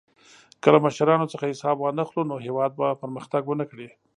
که له مشرانو څخه حساب وانخلو، نو هېواد به پرمختګ ونه کړي.